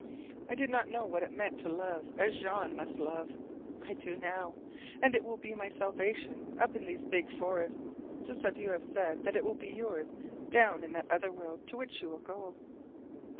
I did not know what it meant to love as Jean must love. I do now. And it will be my salvation up in these big forests, just as you have said that it will be yours down in that other world to which you will go."